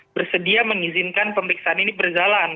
bersedia mengizinkan pemeriksaan ini berjalan